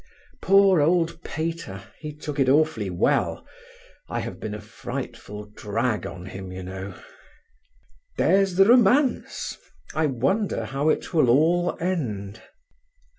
Poor old Pater, he took it awfully well, I have been a frightful drag on him, you know. "There's the romance. I wonder how it will all end."